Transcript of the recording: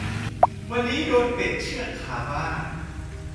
วันนี้โดนเป็ดเชือดคาบ้าน